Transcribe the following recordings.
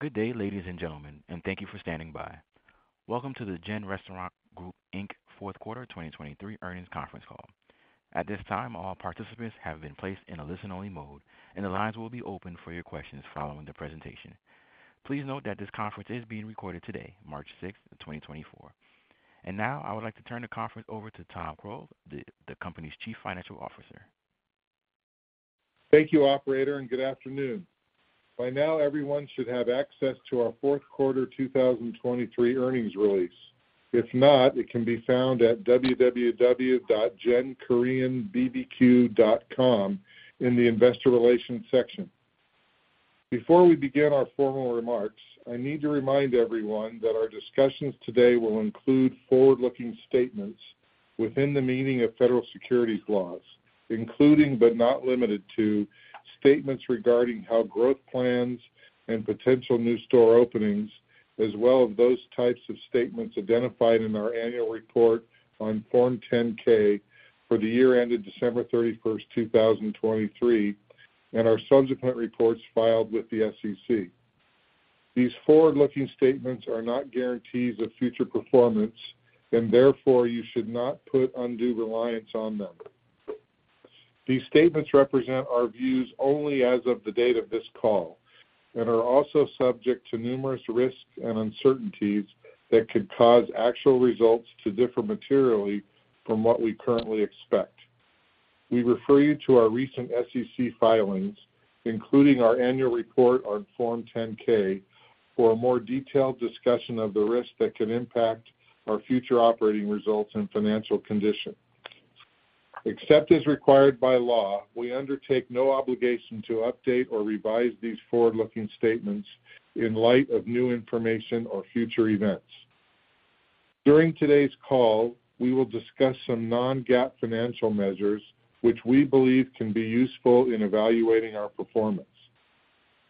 Good day, ladies and gentlemen, and thank you for standing by. Welcome to the GEN Restaurant Group, Inc. Fourth Quarter 2023 Earnings Conference Call. At this time, all participants have been placed in a listen-only mode, and the lines will be open for your questions following the presentation. Please note that this conference is being recorded today, March 6, 2024. Now I would like to turn the conference over to Tom Croal, the company's Chief Financial Officer. Thank you, operator, and good afternoon. By now, everyone should have access to our fourth quarter 2023 earnings release. If not, it can be found at www.genkoreanbbq.com in the Investor Relations section. Before we begin our formal remarks, I need to remind everyone that our discussions today will include forward-looking statements within the meaning of federal securities laws, including but not limited to, statements regarding our growth plans and potential new store openings, as well as those types of statements identified in our Annual Report on Form 10-K for the year ended December 31, 2023, and our subsequent reports filed with the SEC. These forward-looking statements are not guarantees of future performance, and therefore you should not put undue reliance on them These statements represent our views only as of the date of this call and are also subject to numerous risks and uncertainties that could cause actual results to differ materially from what we currently expect. We refer you to our recent SEC filings, including our annual report on Form 10-K, for a more detailed discussion of the risks that can impact our future operating results and financial condition. Except as required by law, we undertake no obligation to update or revise these forward-looking statements in light of new information or future events. During today's call, we will discuss some non-GAAP financial measures, which we believe can be useful in evaluating our performance.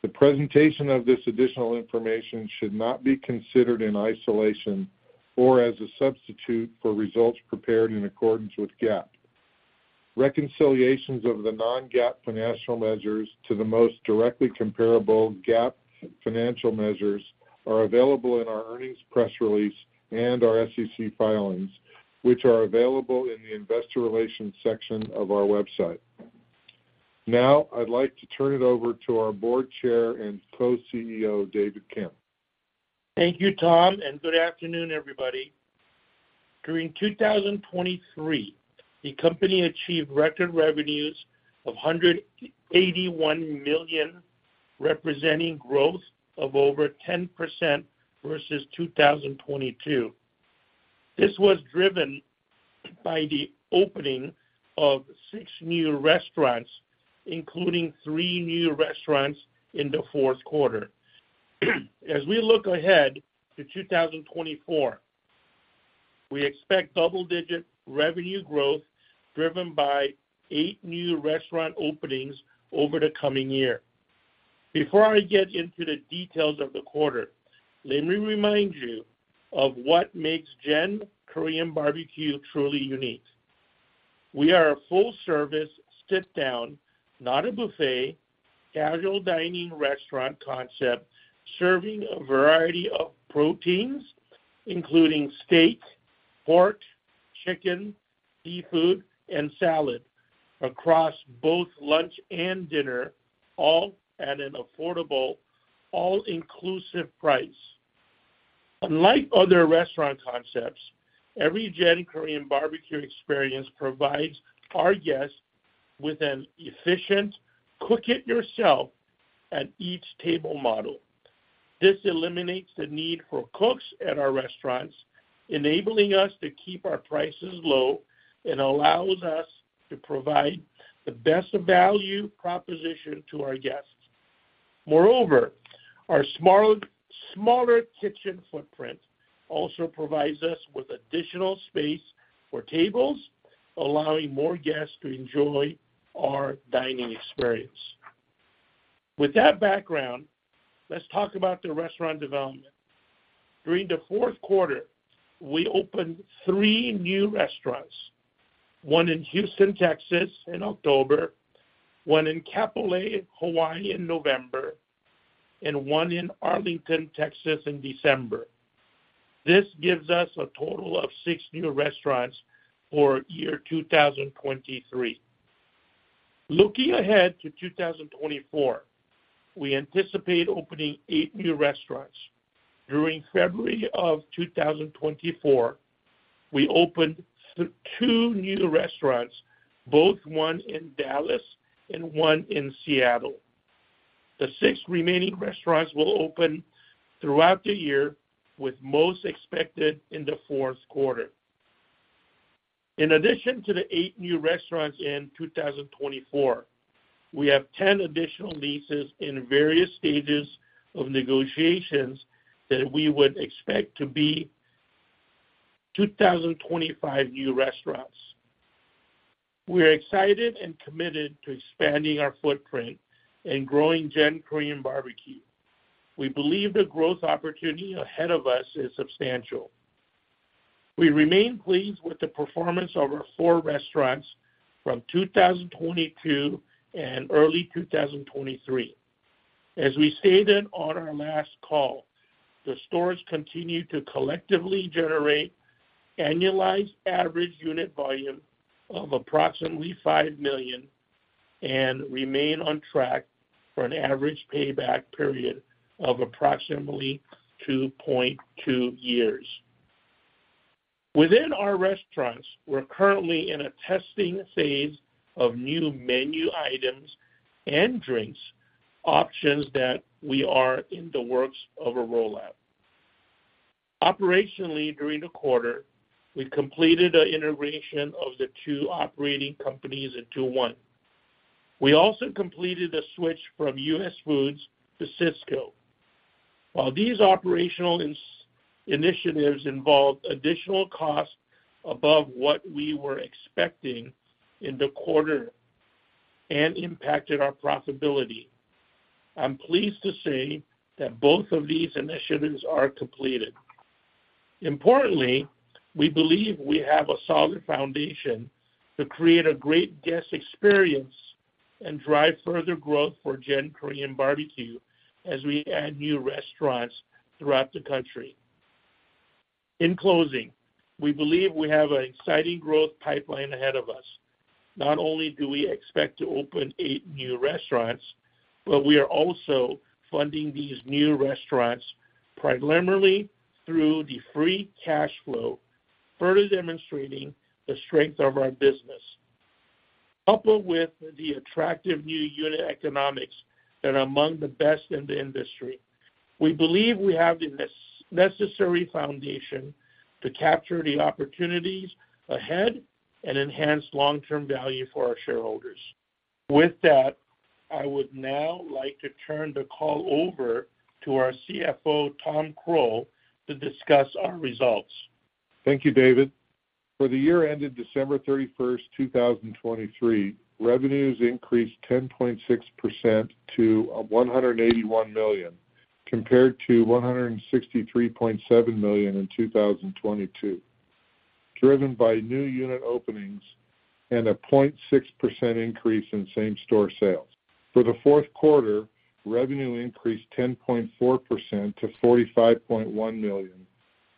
The presentation of this additional information should not be considered in isolation or as a substitute for results prepared in accordance with GAAP. Reconciliations of the non-GAAP financial measures to the most directly comparable GAAP financial measures are available in our earnings press release and our SEC filings, which are available in the Investor Relations section of our website. Now, I'd like to turn it over to our Board Chair and Co-CEO, David Kim. Thank you, Tom, and good afternoon, everybody. During 2023, the company achieved record revenues of $181 million, representing growth of over 10% versus 2022. This was driven by the opening of 6 new restaurants, including 3 new restaurants in the fourth quarter. As we look ahead to 2024, we expect double-digit revenue growth, driven by eight new restaurant openings over the coming year. Before I get into the details of the quarter, let me remind you of what makes GEN Korean BBQ truly unique. We are a full-service, sit-down, not a buffet, casual dining restaurant concept, serving a variety of proteins, including steak, pork, chicken, seafood, and salad across both lunch and dinner, all at an affordable, all-inclusive price. Unlike other restaurant concepts, every GEN Korean BBQ experience provides our guests with an efficient cook-it-yourself-at-each-table model. This eliminates the need for cooks at our restaurants, enabling us to keep our prices low and allows us to provide the best value proposition to our guests. Moreover, our small, smaller kitchen footprint also provides us with additional space for tables, allowing more guests to enjoy our dining experience. With that background, let's talk about the restaurant development. During the fourth quarter, we opened three new restaurants, one in Houston, Texas, in October, one in Kapolei, Hawaii, in November, and one in Arlington, Texas, in December. This gives us a total of six new restaurants for year 2023. Looking ahead to 2024, we anticipate opening eight new restaurants. During February of 2024, we opened two new restaurants, both one in Dallas and one in Seattle. The six remaining restaurants will open throughout the year, with most expected in the fourth quarter. In addition to the eight new restaurants in 2024, we have 10 additional leases in various stages of negotiations that we would expect to be 2025 new restaurants. We are excited and committed to expanding our footprint and growing GEN Korean BBQ. We believe the growth opportunity ahead of us is substantial. We remain pleased with the performance of our four restaurants from 2022 and early 2023. As we stated on our last call, the stores continue to collectively generate annualized average unit volume of approximately $5 million and remain on track for an average payback period of approximately 2.2 years. Within our restaurants, we're currently in a testing phase of new menu items and drinks, options that we are in the works of a rollout. Operationally, during the quarter, we completed an integration of the two operating companies into one. We also completed a switch from US Foods to Sysco. While these operational initiatives involved additional costs above what we were expecting in the quarter and impacted our profitability, I'm pleased to say that both of these initiatives are completed. Importantly, we believe we have a solid foundation to create a great guest experience and drive further growth for GEN Korean BBQ as we add new restaurants throughout the country. In closing, we believe we have an exciting growth pipeline ahead of us. Not only do we expect to open eight new restaurants, but we are also funding these new restaurants primarily through the free cash flow, further demonstrating the strength of our business. Coupled with the attractive new unit economics that are among the best in the industry, we believe we have the necessary foundation to capture the opportunities ahead and enhance long-term value for our shareholders. With that, I would now like to turn the call over to our CFO, Tom Croal, to discuss our results. Thank you, David. For the year ended December 31, 2023, revenues increased 10.6% to $181 million, compared to $163.7 million in 2022, driven by new unit openings and a 0.6% increase in same-store sales. For the fourth quarter, revenue increased 10.4% to $45.1 million,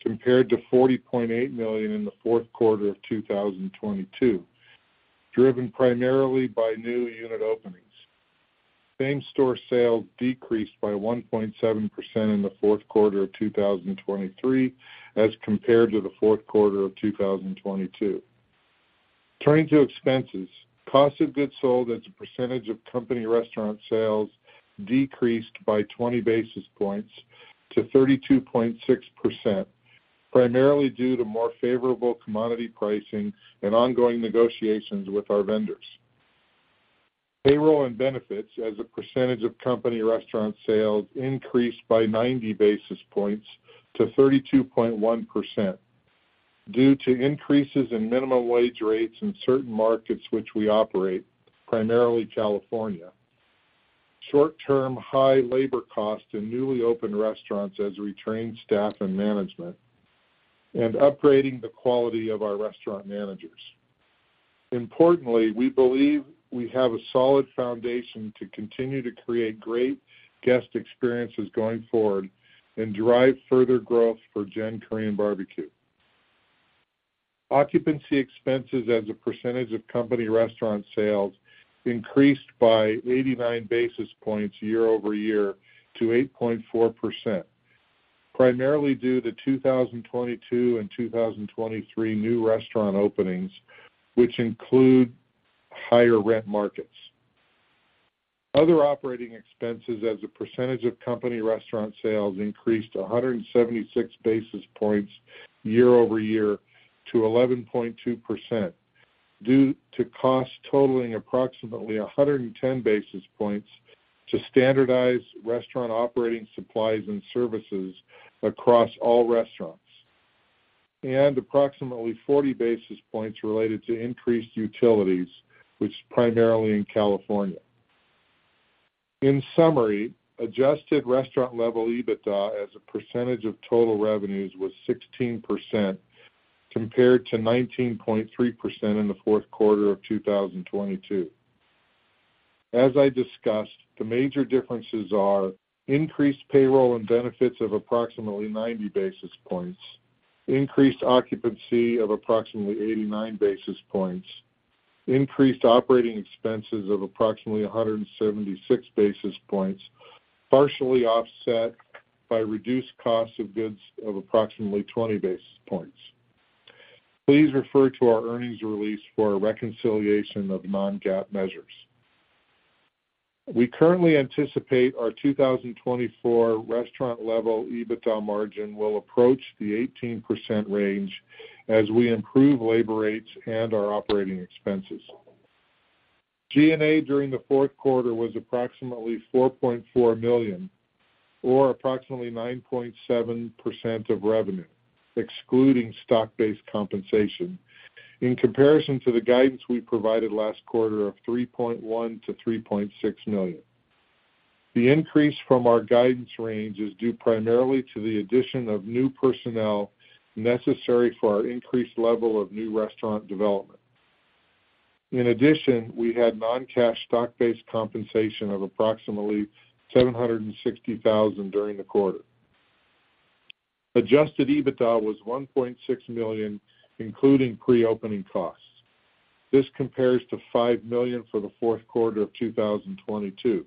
compared to $40.8 million in the fourth quarter of 2022, driven primarily by new unit openings. Same-store sales decreased by 1.7% in the fourth quarter of 2023 as compared to the fourth quarter of 2022. Turning to expenses, cost of goods sold as a percentage of company restaurant sales decreased by 20 basis points to 32.6%, primarily due to more favorable commodity pricing and ongoing negotiations with our vendors. Payroll and benefits, as a percentage of company restaurant sales, increased by 90 basis points to 32.1%, due to increases in minimum wage rates in certain markets which we operate, primarily California, short-term high labor costs in newly opened restaurants as we train staff and management, and upgrading the quality of our restaurant managers. Importantly, we believe we have a solid foundation to continue to create great guest experiences going forward and drive further growth for GEN Korean BBQ. Occupancy expenses as a percentage of company restaurant sales increased by 89 basis points year-over-year to 8.4%, primarily due to 2022 and 2023 new restaurant openings, which include higher rent markets. Other operating expenses as a percentage of company restaurant sales increased 176 basis points year-over-year to 11.2%, due to costs totaling approximately 110 basis points to standardize restaurant operating supplies and services across all restaurants, and approximately 40 basis points related to increased utilities, which is primarily in California. In summary, adjusted restaurant-level EBITDA as a percentage of total revenues was 16%, compared to 19.3% in the fourth quarter of 2022. As I discussed, the major differences are: increased payroll and benefits of approximately 90 basis points, increased occupancy of approximately 89 basis points, increased operating expenses of approximately 176 basis points, partially offset by reduced costs of goods of approximately 20 basis points. Please refer to our earnings release for a reconciliation of non-GAAP measures. We currently anticipate our 2024 Restaurant-Level EBITDA margin will approach the 18% range as we improve labor rates and our operating expenses. G&A during the fourth quarter was approximately $4.4 million or approximately 9.7% of revenue, excluding stock-based compensation, in comparison to the guidance we provided last quarter of $3.1 million to $3.6 million. The increase from our guidance range is due primarily to the addition of new personnel necessary for our increased level of new restaurant development. In addition, we had non-cash stock-based compensation of approximately $760,000 during the quarter. Adjusted EBITDA was $1.6 million, including pre-opening costs. This compares to $5 million for the fourth quarter of 2022.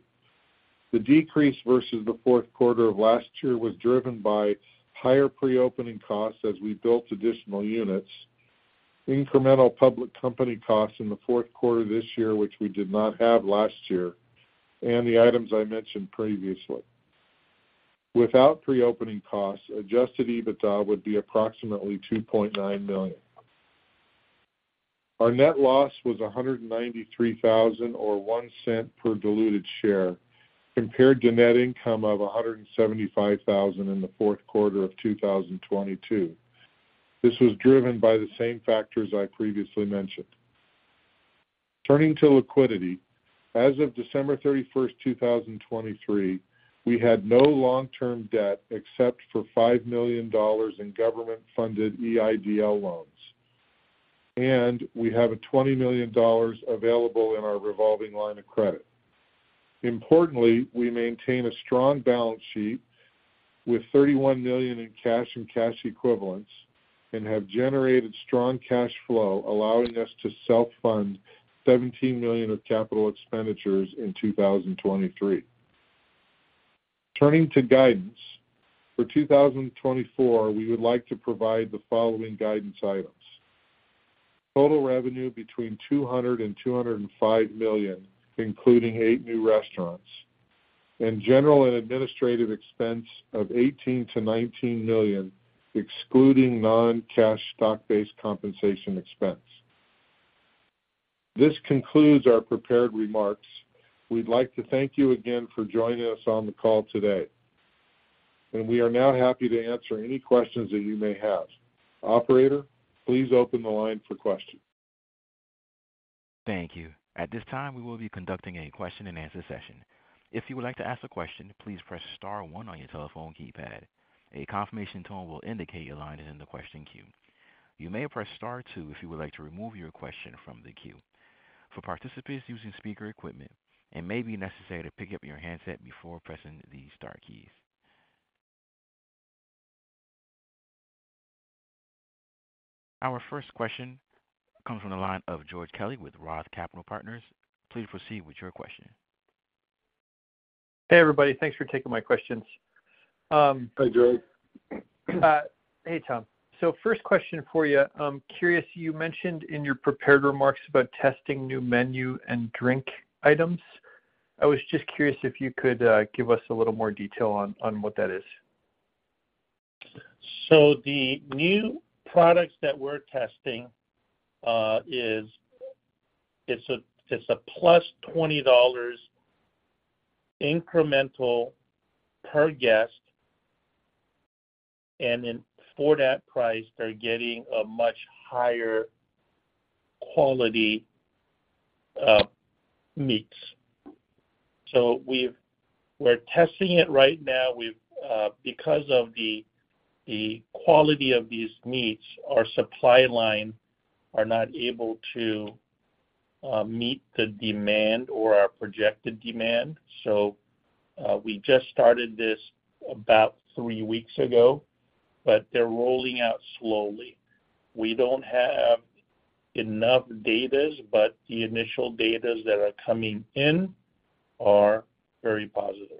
The decrease versus the fourth quarter of last year was driven by higher pre-opening costs as we built additional units, incremental public company costs in the fourth quarter this year, which we did not have last year, and the items I mentioned previously. Without pre-opening costs, adjusted EBITDA would be approximately $2.9 million. Our net loss was $193,000, or $0.01 per diluted share, compared to net income of $175,000 in the fourth quarter of 2022. This was driven by the same factors I previously mentioned. Turning to liquidity, as of December 31, 2023, we had no long-term debt except for $5 million in government-funded EIDL loans, and we have $20 million available in our revolving line of credit. Importantly, we maintain a strong balance sheet with $31 million in cash and cash equivalents and have generated strong cash flow, allowing us to self-fund $17 million of capital expenditures in 2023. Turning to guidance, for 2024, we would like to provide the following guidance items: Total revenue between $200 million and $205 million, including 8 new restaurants, and general and administrative expense of $18 million to $19 million, excluding non-cash stock-based compensation expense. This concludes our prepared remarks. We'd like to thank you again for joining us on the call today, and we are now happy to answer any questions that you may have. Operator, please open the line for questions. Thank you. At this time, we will be conducting a question-and-answer session. If you would like to ask a question, please press star one on your telephone keypad. A confirmation tone will indicate your line is in the question queue. You may press Star two if you would like to remove your question from the queue. For participants using speaker equipment, it may be necessary to pick up your handset before pressing the star keys. Our first question comes from the line of George Kelly with ROTH Capital Partners. Please proceed with your question. Hey, everybody. Thanks for taking my questions. Hi, George. Hey, Tom. So first question for you. I'm curious, you mentioned in your prepared remarks about testing new menu and drink items. I was just curious if you could give us a little more detail on what that is. So the new products that we're testing is. It's a, it's a +$20 incremental per guest, and then for that price, they're getting a much higher quality meats. So we're testing it right now. We've, because of the quality of these meats, our supply line are not able to meet the demand or our projected demand. So we just started this about three weeks ago, but they're rolling out slowly. We don't have enough data, but the initial data that are coming in are very positive.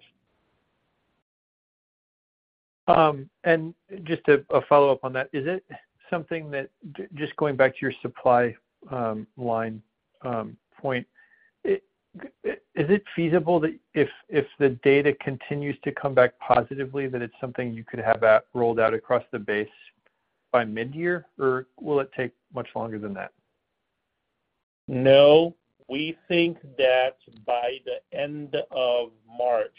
And just a follow-up on that, is it something that, just going back to your supply line point, is it feasible that if the data continues to come back positively, that it's something you could have that rolled out across the base by midyear, or will it take much longer than that? No. We think that by the end of March,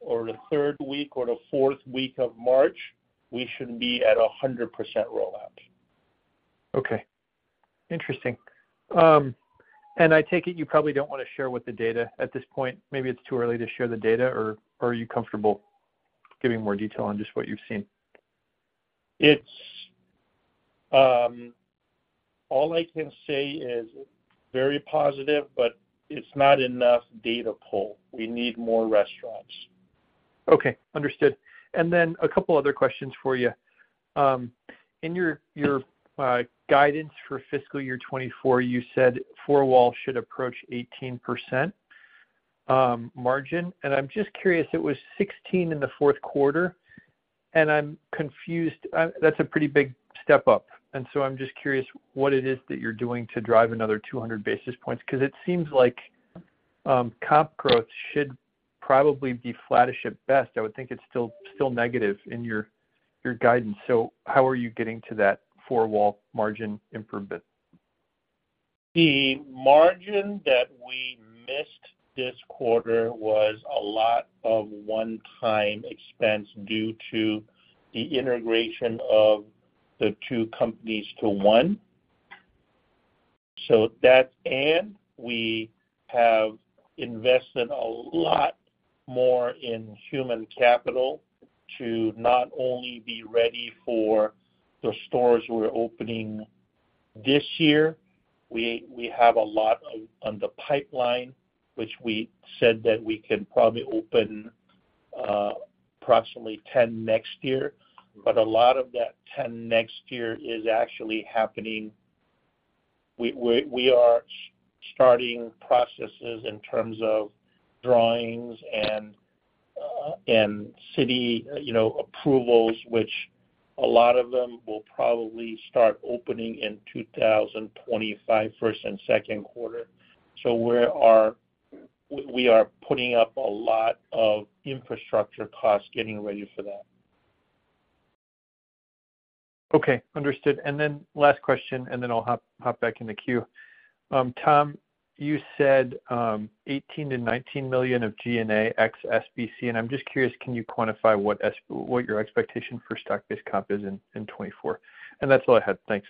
or the third week or the fourth week of March, we should be at 100% rollout. Okay. Interesting. I take it you probably don't want to share with the data at this point. Maybe it's too early to share the data, or are you comfortable giving more detail on just what you've seen? It's all I can say is very positive, but it's not enough data pull. We need more restaurants. Okay, understood. And then a couple other questions for you. In your guidance for fiscal year 2024, you said four-wall should approach 18% margin. And I'm just curious, it was 16% in the fourth quarter, and I'm confused. That's a pretty big step up, and so I'm just curious what it is that you're doing to drive another 200 basis points, because it seems like comp growth should probably be flattish at best. I would think it's still negative in your guidance. So how are you getting to that four-wall margin improvement? The margin that we missed this quarter was a lot of one-time expense due to the integration of the two companies to one. So that, and we have invested a lot more in human capital to not only be ready for the stores we're opening this year, we have a lot on the pipeline, which we said that we can probably open approximately 10 next year. But a lot of that 10 next year is actually happening. We are starting processes in terms of drawings and city, you know, approvals, which a lot of them will probably start opening in 2025, first and second quarter. So we are putting up a lot of infrastructure costs getting ready for that. Okay, understood. And then last question, and then I'll hop back in the queue. Tom, you said $18 to $19 million of G&A ex SBC, and I'm just curious, can you quantify what your expectation for stock-based comp is in 2024? And that's all I had. Thanks.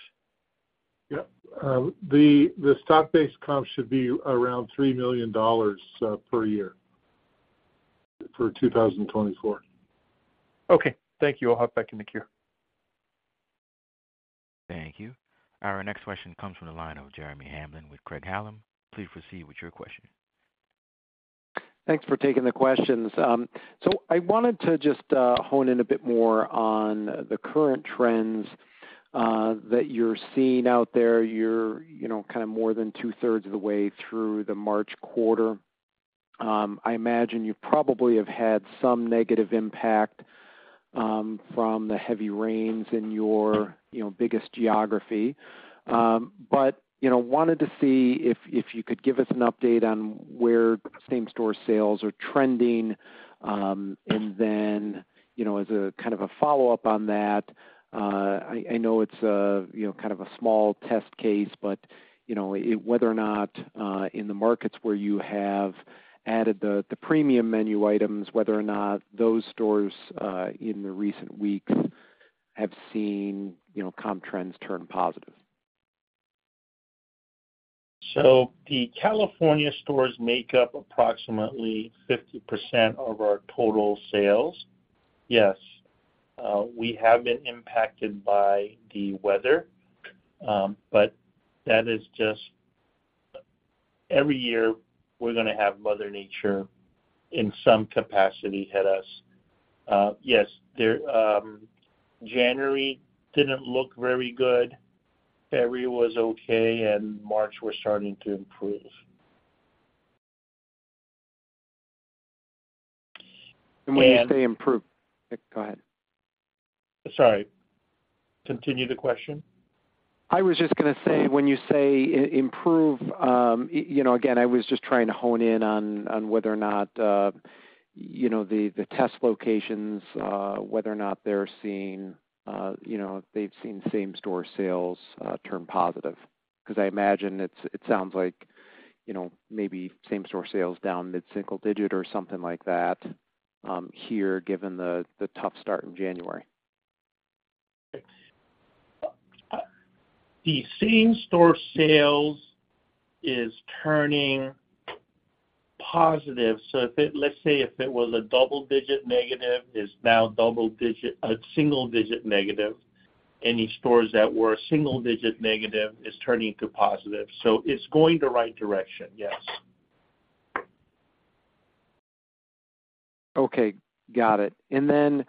Yep. The stock-based comp should be around $3 million per year for 2024. Okay, thank you. I'll hop back in the queue. Thank you. Our next question comes from the line of Jeremy Hamblin with Craig-Hallum. Please proceed with your question. Thanks for taking the questions. So I wanted to just hone in a bit more on the current trends that you're seeing out there. You're, you know, kind of more than two-thirds of the way through the March quarter. I imagine you probably have had some negative impact from the heavy rains in your, you know, biggest geography. But, you know, wanted to see if you could give us an update on where same-store sales are trending. And then, you know, as a kind of a follow-up on that, I know it's a, you know, kind of a small test case, but, you know, whether or not in the markets where you have added the premium menu items, whether or not those stores in the recent weeks have seen, you know, comp trends turn positive. The California stores make up approximately 50% of our total sales. Yes, we have been impacted by the weather, but that is just every year we're gonna have Mother Nature in some capacity hit us. Yes, January didn't look very good. February was okay, and March we're starting to improve. And when you say improve- Go ahead. Sorry, continue the question. I was just gonna say, when you say improve, you know, again, I was just trying to hone in on whether or not, you know, the test locations, whether or not they're seeing, you know, they've seen same-store sales turn positive. Because I imagine it sounds like, you know, maybe same-store sales down mid-single digit or something like that, here, given the tough start in January. The Same-Store Sales is turning positive. So if it—let's say if it was a double-digit negative, it's now double-digit a single-digit negative. Any stores that were a single-digit negative is turning to positive. So it's going the right direction, yes. Okay, got it. And then,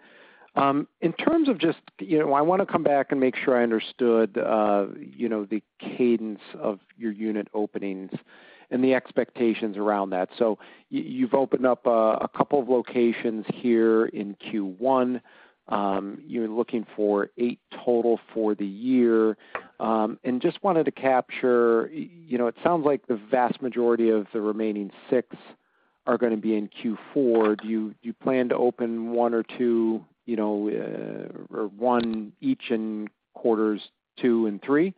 in terms of just, you know, I wanna come back and make sure I understood, you know, the cadence of your unit openings and the expectations around that. So you, you've opened up a couple of locations here in Q1. You're looking for 8 total for the year. And just wanted to capture, you know, it sounds like the vast majority of the remaining 6 are gonna be in Q4. Do you plan to open 1 or 2, you know, or 1 each in quarters two and three?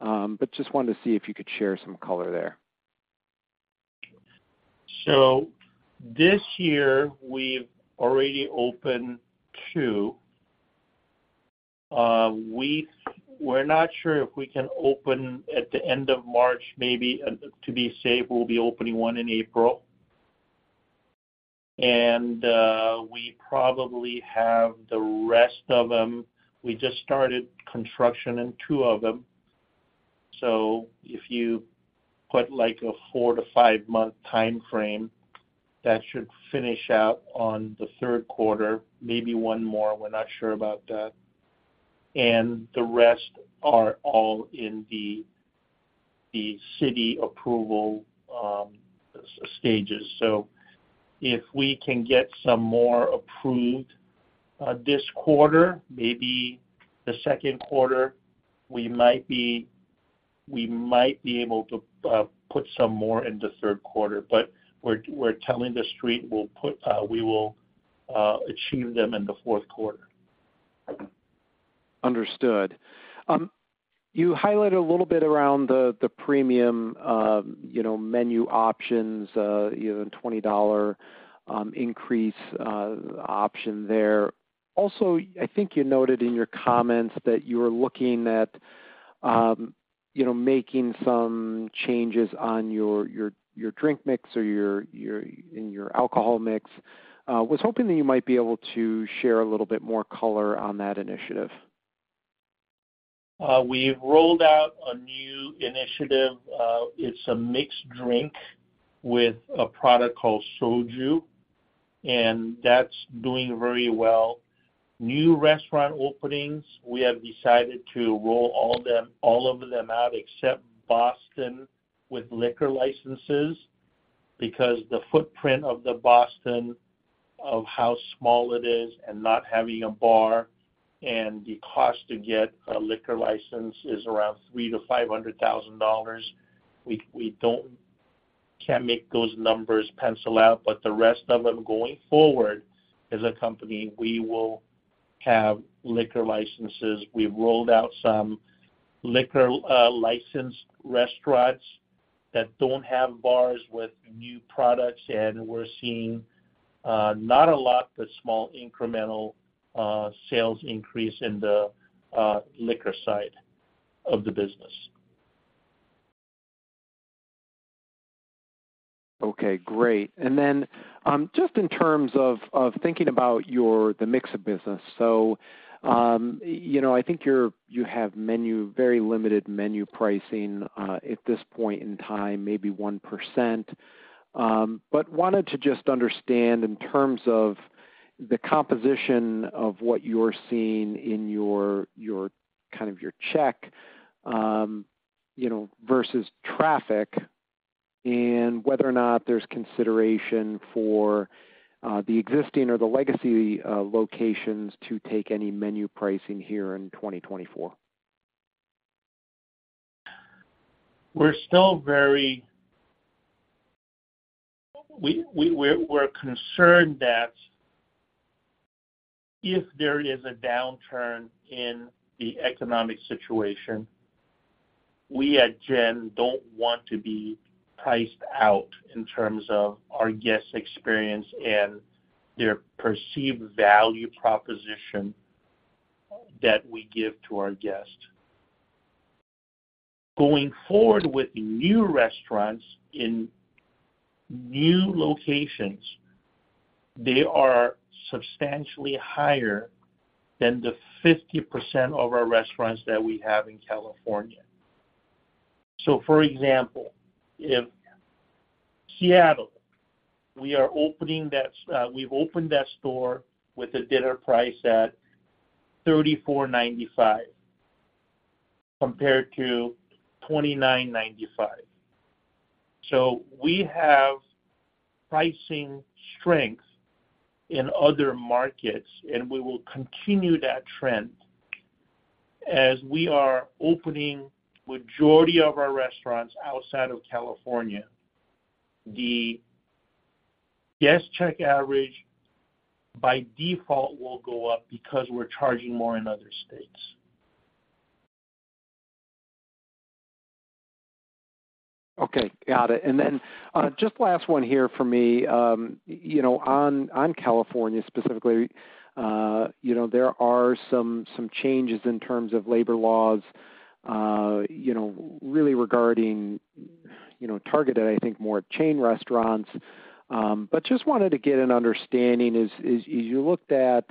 But just wanted to see if you could share some color there. So this year, we've already opened 2. We're not sure if we can open at the end of March, maybe, to be safe, we'll be opening 1 in April. We probably have the rest of them, we just started construction in 2 of them. So if you put, like, a 4-5-month time frame, that should finish out on the third quarter, maybe 1 more, we're not sure about that. The rest are all in the city approval stages. So if we can get some more approved this quarter, maybe the second quarter, we might be able to put some more in the third quarter. But we're telling the street we will achieve them in the fourth quarter. Understood. You highlighted a little bit around the premium, you know, menu options, you know, the $20 increase option there. Also, I think you noted in your comments that you were looking at, you know, making some changes on your drink mix or in your alcohol mix. Was hoping that you might be able to share a little bit more color on that initiative. We've rolled out a new initiative. It's a mixed drink with a product called Soju, and that's doing very well. New restaurant openings, we have decided to roll all them, all of them out, except Boston, with liquor licenses, because the footprint of the Boston, of how small it is and not having a bar, and the cost to get a liquor license is around $300,000 to $500,000. We can't make those numbers pencil out, but the rest of them, going forward, as a company, we will have liquor licenses. We've rolled out some liquor licensed restaurants that don't have bars with new products, and we're seeing not a lot, but small incremental sales increase in the liquor side of the business. Okay, great. And then, just in terms of thinking about your, the mix of business. So, you know, I think you have menu, very limited menu pricing, at this point in time, maybe 1%. But wanted to just understand in terms of the composition of what you're seeing in your, your, kind of your check, you know, versus traffic, and whether or not there's consideration for the existing or the legacy locations to take any menu pricing here in 2024. We're still very concerned that if there is a downturn in the economic situation, we at GEN don't want to be priced out in terms of our guest experience and their perceived value proposition that we give to our guests. Going forward with new restaurants in new locations, they are substantially higher than the 50% of our restaurants that we have in California. So for example, in Seattle, we are opening that, we've opened that store with a dinner price at $34.95 compared to $29.95. So we have pricing strength in other markets, and we will continue that trend. As we are opening majority of our restaurants outside of California, the guest check average, by default, will go up because we're charging more in other states. Okay, got it. And then, just last one here for me. You know, on, on California, specifically, you know, there are some changes in terms of labor laws, you know, really regarding, you know, targeted, I think, more at chain restaurants. But just wanted to get an understanding, as you looked at,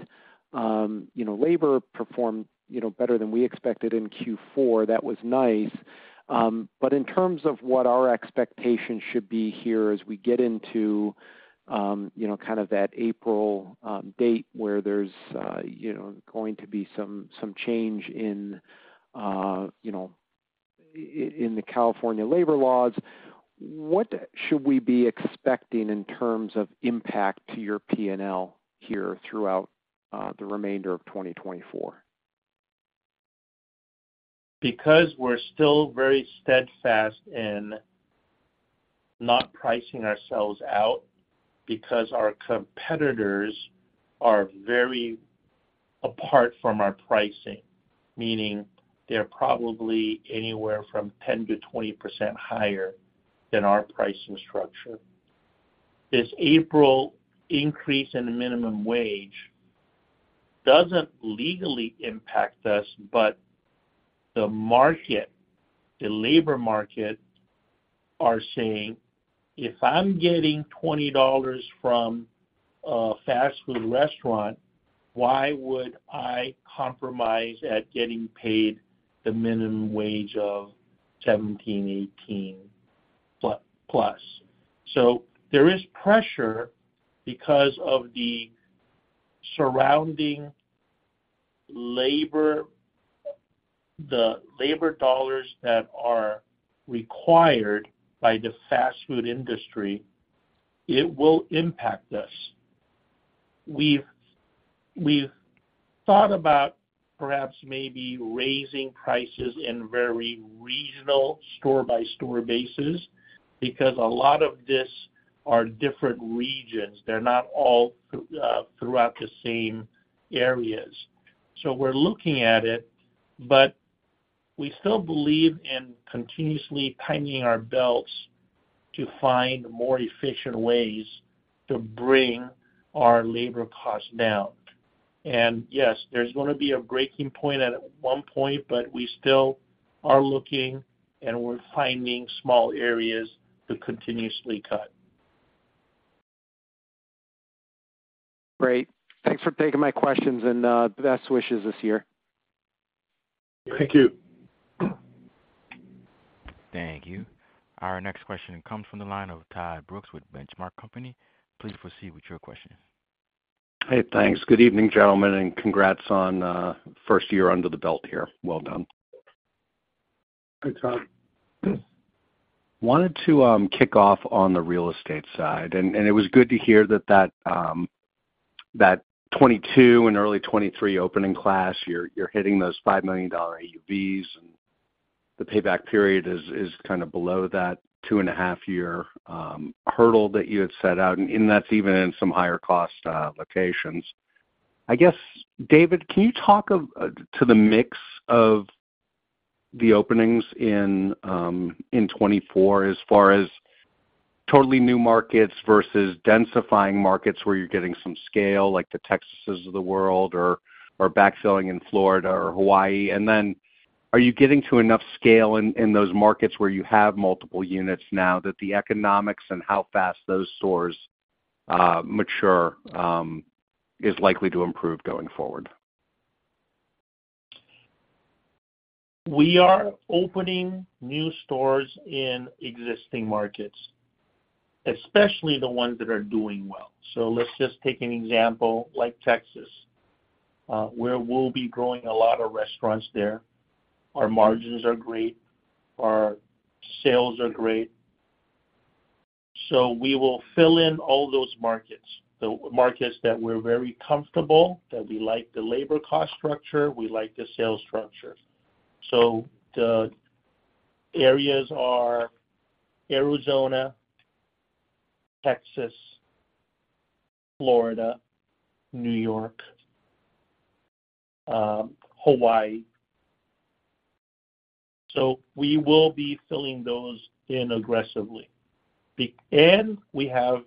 you know, labor performed, you know, better than we expected in Q4, that was nice. But in terms of what our expectations should be here as we get into, you know, kind of that April date, where there's, you know, going to be some change in, you know, in the California labor laws, what should we be expecting in terms of impact to your PNL here throughout the remainder of 2024? Because we're still very steadfast in not pricing ourselves out, because our competitors are very apart from our pricing, meaning they're probably anywhere from 10%-20% higher than our pricing structure. This April increase in the minimum wage doesn't legally impact us, but the market, the labor market, are saying, "If I'm getting $20 from a fast food restaurant, why would I compromise at getting paid the minimum wage of 17, 18+?" So there is pressure because of the surrounding labor, the labor dollars that are required by the fast food industry, it will impact us. We've thought about perhaps maybe raising prices in very regional store-by-store basis, because a lot of this are different regions. They're not all throughout the same areas. So we're looking at it, but- We still believe in continuously tightening our belts to find more efficient ways to bring our labor costs down. Yes, there's gonna be a breaking point at one point, but we still are looking, and we're finding small areas to continuously cut. Great. Thanks for taking my questions, and best wishes this year. Thank you. Thank you. Our next question comes from the line of Todd Brooks with The Benchmark Company. Please proceed with your question. Hey, thanks. Good evening, gentlemen, and congrats on first year under the belt here. Well done. Hi, Todd. Wanted to kick off on the real estate side, and it was good to hear that twenty-two and early twenty-three opening class, you're hitting those $5 million AUVs, and the payback period is kind of below that 2.5-year hurdle that you had set out, and that's even in some higher cost locations. I guess, David, can you talk to the mix of the openings in twenty-four, as far as totally new markets versus densifying markets where you're getting some scale, like the Texases of the world or backfilling in Florida or Hawaii? And then are you getting to enough scale in those markets where you have multiple units now that the economics and how fast those stores mature is likely to improve going forward? We are opening new stores in existing markets, especially the ones that are doing well. So let's just take an example like Texas, where we'll be growing a lot of restaurants there. Our margins are great. Our sales are great. So we will fill in all those markets, the markets that we're very comfortable, that we like the labor cost structure, we like the sales structure. So the areas are Arizona, Texas, Florida, New York, Hawaii. So we will be filling those in aggressively. And we have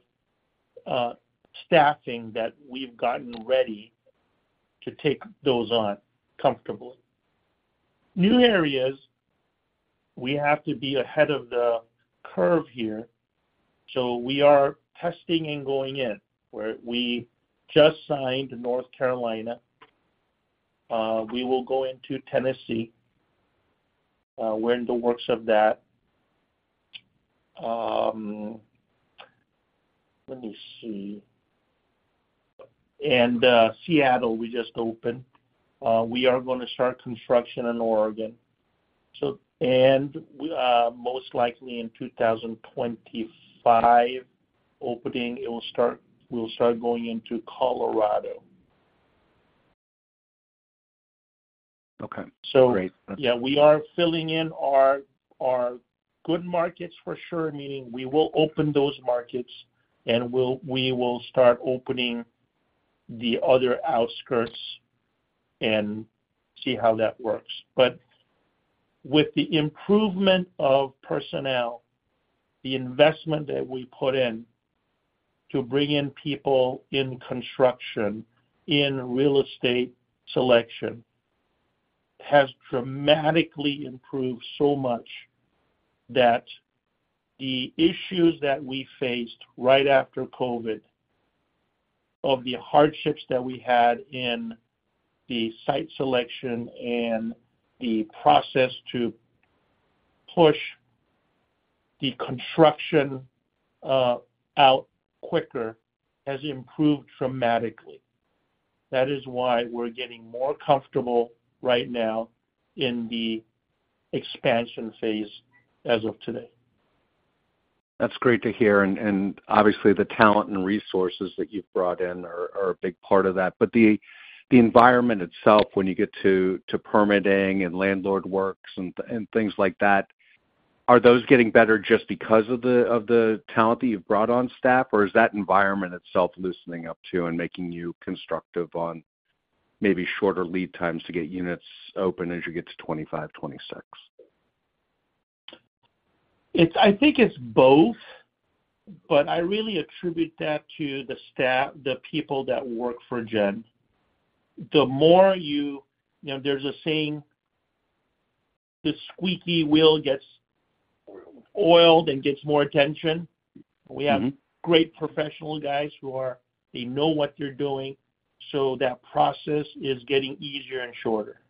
staffing that we've gotten ready to take those on comfortably. New areas, we have to be ahead of the curve here, so we are testing and going in, where we just signed North Carolina. We will go into Tennessee, we're in the works of that. Let me see. And, Seattle, we just opened. We are gonna start construction in Oregon. Most likely in 2025, opening, it will start, we'll start going into Colorado. Okay. So- Great. Yeah, we are filling in our good markets for sure, meaning we will open those markets, and we'll, we will start opening the other outskirts and see how that works. But with the improvement of personnel, the investment that we put in to bring in people in construction, in real estate selection, has dramatically improved so much that the issues that we faced right after COVID, of the hardships that we had in the site selection and the process to push the construction out quicker, has improved dramatically. That is why we're getting more comfortable right now in the expansion phase as of today. That's great to hear, and obviously, the talent and resources that you've brought in are a big part of that. But the environment itself, when you get to permitting and landlord works and things like that, are those getting better just because of the talent that you've brought on staff, or is that environment itself loosening up, too, and making you constructive on maybe shorter lead times to get units open as you get to 25, 26? It's—I think it's both, but I really attribute that to the people that work for GEN. The more you you know, there's a saying, the squeaky wheel gets oiled and gets more attention. Mm-hmm. We have great professional guys who are, they know what they're doing, so that process is getting easier and shorter.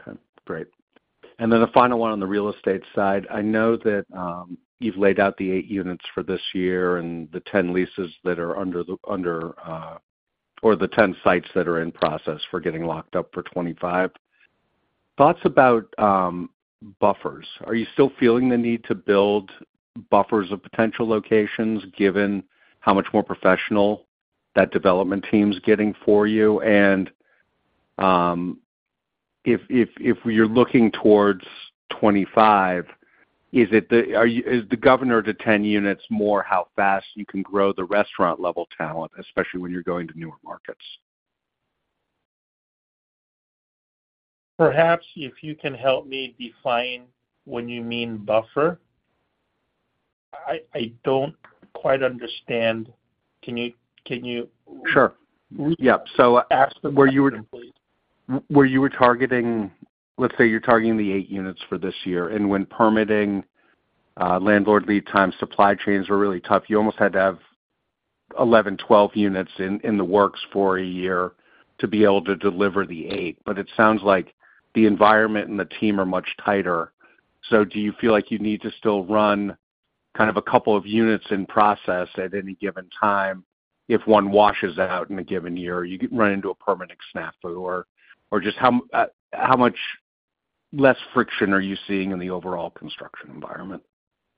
Okay, great. And then a final one on the real estate side. I know that, you've laid out the eight units for this year and the 10 leases that are under the, or the 10 sites that are in process for getting locked up for 2025. Thoughts about buffers. Are you still feeling the need to build buffers of potential locations, given how much more professional that development team's getting for you? And, if you're looking towards 2025 is it the, are you, is the governor to 10 units more how fast you can grow the restaurant level talent, especially when you're going to newer markets? Perhaps if you can help me define what you mean by buffer. I don't quite understand. Can you- Sure. Yeah. Ask the question, please. Where you were targeting— Let's say you're targeting the eight units for this year, and when permitting, landlord lead time, supply chains were really tough. You almost had to have 11, 12 units in the works for a year to be able to deliver the eight, but it sounds like the environment and the team are much tighter. So do you feel like you need to still run kind of a couple of units in process at any given time if one washes out in a given year, you can run into a permanent snafu? Or just how much less friction are you seeing in the overall construction environment,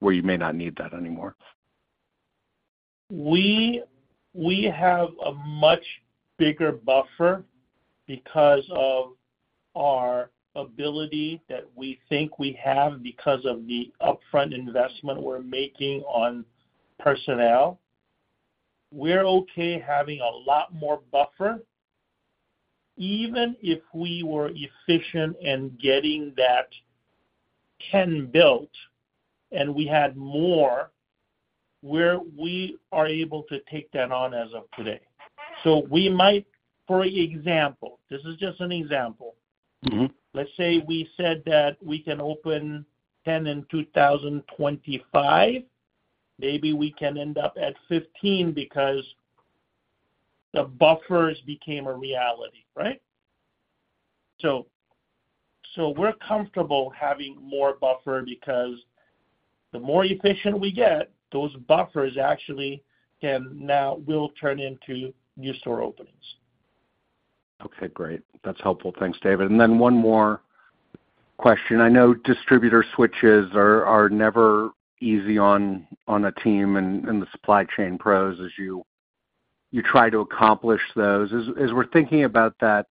where you may not need that anymore? We have a much bigger buffer because of our ability that we think we have, because of the upfront investment we're making on personnel. We're okay having a lot more buffer. Even if we were efficient in getting that 10 built, and we had more, we're able to take that on as of today. So we might, for example, this is just an example. Mm-hmm. Let's say we said that we can open 10 in 2025. Maybe we can end up at 15 because the buffers became a reality, right? So, so we're comfortable having more buffer because the more efficient we get, those buffers actually can now will turn into new store openings. Okay, great. That's helpful. Thanks, David. And then one more question. I know distributor switches are never easy on a team and the supply chain pros as you try to accomplish those. As we're thinking about that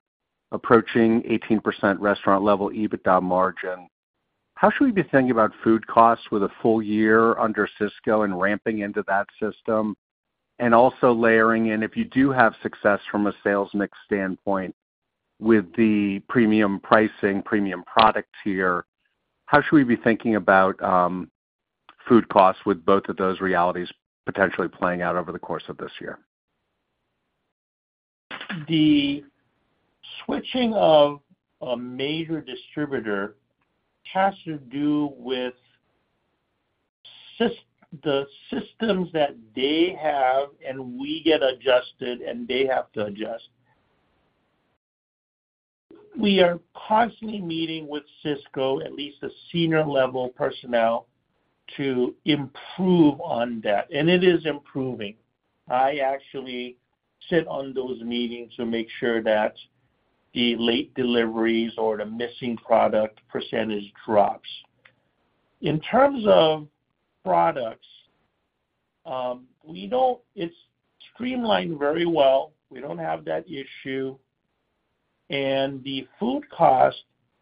approaching 18% Restaurant-Level EBITDA margin, how should we be thinking about food costs with a full year under Sysco and ramping into that system? And also layering in, if you do have success from a sales mix standpoint with the premium pricing, premium product tier, how should we be thinking about food costs with both of those realities potentially playing out over the course of this year? The switching of a major distributor has to do with Sysco, the systems that they have, and we get adjusted, and they have to adjust. We are constantly meeting with Sysco, at least the senior level personnel, to improve on that, and it is improving. I actually sit on those meetings to make sure that the late deliveries or the missing product percentage drops. In terms of products, we don't—it's streamlined very well. We don't have that issue, and the food cost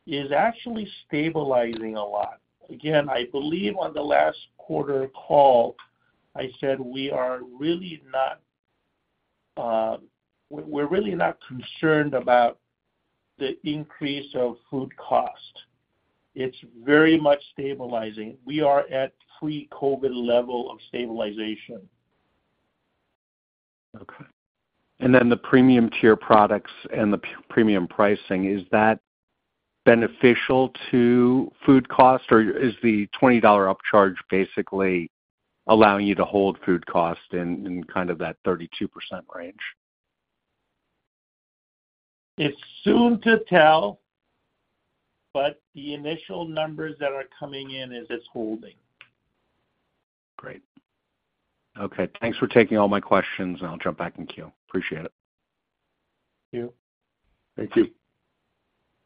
is actually stabilizing a lot. Again, I believe on the last quarter call, I said we are really not, we're really not concerned about the increase of food cost. It's very much stabilizing. We are at pre-COVID level of stabilization. Okay. And then the premium tier products and the premium pricing, is that beneficial to food cost, or is the $20 upcharge basically allowing you to hold food cost in kind of that 32% range? It's too soon to tell, but the initial numbers that are coming in is it's holding. Great. Okay, thanks for taking all my questions, and I'll jump back in queue. Appreciate it. Thank you. Thank you.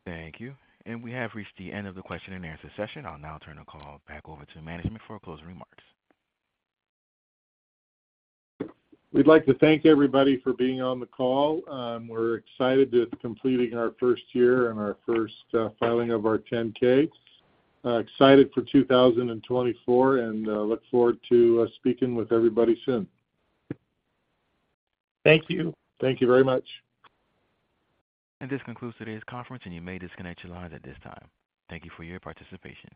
Thank you. We have reached the end of the question and answer session. I'll now turn the call back over to management for closing remarks. We'd like to thank everybody for being on the call. We're excited to completing our first year and our first filing of our 10-K. Excited for 2024, and look forward to speaking with everybody soon. Thank you. Thank you very much. This concludes today's conference, and you may disconnect your lines at this time. Thank you for your participation.